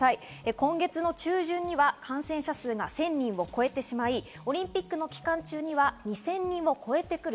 今月の中旬には感染者数が１０００人を超えてしまい、オリンピックの期間中には２０００人を超えてくる。